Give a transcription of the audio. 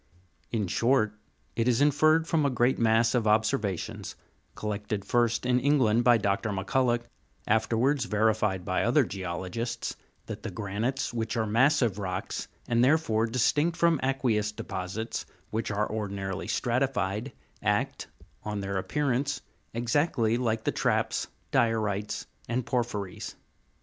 In short, it is inferred from a great mass of observations, collected first in Eng land by Dr. Macculloch, afterwards verified by other geologists, that the granites, which are massive rocks, and therefore distinct from aqueous deposits, which are ordinarily stratified, act, on their appearance, exactly like the traps, diorites, and porphyries.